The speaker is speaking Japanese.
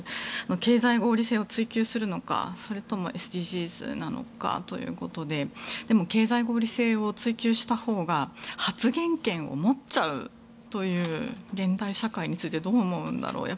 経済合理性を追求するのかそれともＳＤＧｓなのかということで経済合理性を追求したほうが発言権を持っちゃうという現代社会についてどう思うんだろう。